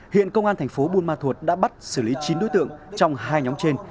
hiện công an thành phố buôn ma thuột đã bắt xử lý chín đối tượng trong hai nhóm trên